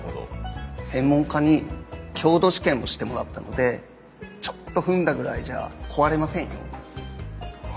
専門家に強度試験もしてもらったのでちょっと踏んだぐらいじゃ壊れませんよ。